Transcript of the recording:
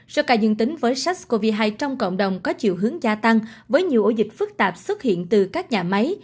số ca dương tính với sars cov hai trong cộng đồng có chiều hướng gia tăng với nhiều ổ dịch phức tạp xuất hiện từ các nhà máy